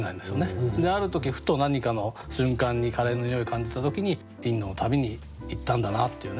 ある時ふと何かの瞬間にカレーの匂い感じた時にインドの旅に行ったんだなっていう